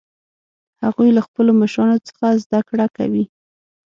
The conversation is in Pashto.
هغوی له خپلو مشرانو څخه زده کړه کوي